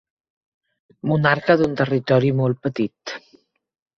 Monarca d'un territori molt petit.